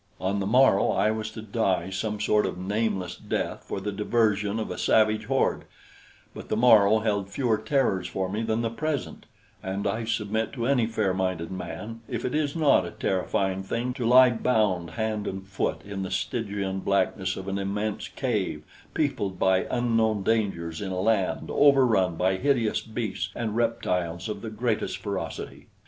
On the morrow I was to die some sort of nameless death for the diversion of a savage horde, but the morrow held fewer terrors for me than the present, and I submit to any fair minded man if it is not a terrifying thing to lie bound hand and foot in the Stygian blackness of an immense cave peopled by unknown dangers in a land overrun by hideous beasts and reptiles of the greatest ferocity.